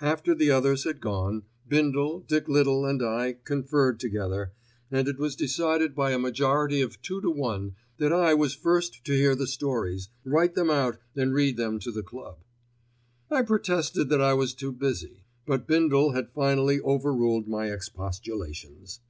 After the others had gone Bindle, Dick Little and I conferred together, and it was decided by a majority of two to one that I was first to hear the stories, write them out and read them to the club. I protested that I was too busy; but Bindle had finally over ruled my expostulations.